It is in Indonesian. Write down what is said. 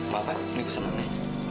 maaf ya ini pesanannya